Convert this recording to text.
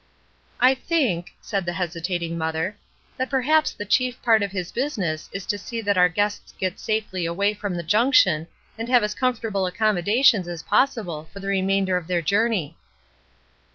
"I think," said the hesitating mother, "that perhaps the chief part of his business is to see that our guests get safely away from the junc tion and have as comfortable accommodations as possible for the remainder of their journey."